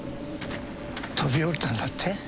飛び降りたんだって？